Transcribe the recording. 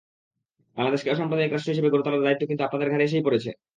বাংলাদেশকে অসাম্প্রদায়িক রাষ্ট্র হিসেবে গড়ে তোলার দায়িত্ব কিন্তু আপনাদের ঘাড়ে এসেই পড়েছে।